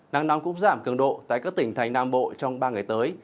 nắng nóng cũng giảm cường độ tại các tỉnh thành nam bộ trong ba ngày tới